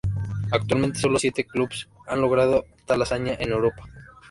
Actualmente solo siete clubes han logrado tal hazaña en Europa.